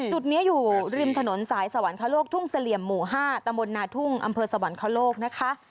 จุดนี้อยู่ริมถนนสายสวรรค์ข้าวโลกทุ่งเสลี่ยหมู่๕ตนทุ่งอสวรรค์ข้าวโลกนะคะ